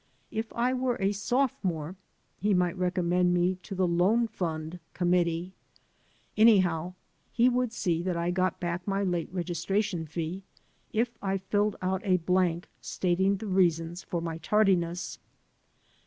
If I were a sophomore he might recommend me to the Loan Fund Conunittee. Anyhow, he would see that I got back my late registration fee if I filled out a blank stating the reasons for my tardiness.